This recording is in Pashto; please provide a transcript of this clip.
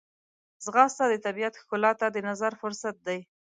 ځغاسته د طبیعت ښکلا ته د نظر فرصت دی